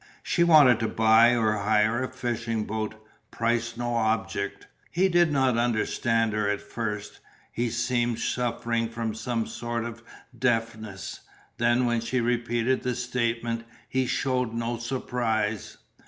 She wanted to buy or hire a fishing boat, price no object. He did not understand her at first. He seemed suffering from some form of deafness. Then when she repeated the statement he shewed no surprise.